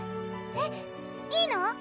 えっいいの？